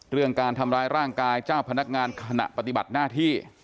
เรื่องการทำร้ายร่างกายเจ้าพนักงานขณะปฏิบัติหน้าที่